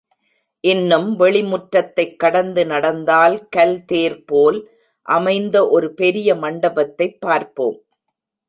இன்னும் வெளி முற்றத்தைக் கடந்து நடந்தால் கல் தேர் போல் அமைந்த ஒரு பெரிய மண்டபத்தைப் பார்ப்போம்.